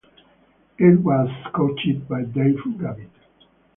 It was coached by Dave Gavitt.